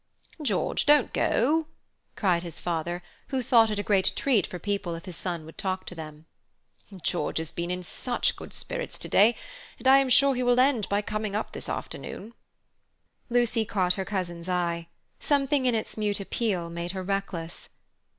"George, don't go," cried his father, who thought it a great treat for people if his son would talk to them. "George has been in such good spirits today, and I am sure he will end by coming up this afternoon." Lucy caught her cousin's eye. Something in its mute appeal made her reckless.